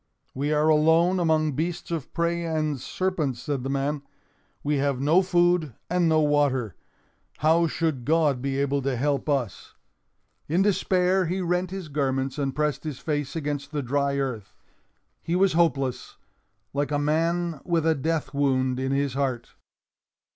"We are alone among beasts of prey and serpents," said the man. "We have no food and no water. How should God be able to help us?" In despair he rent his garments and pressed his face against the dry earth. He was hopeless—like a man with a death wound in his heart.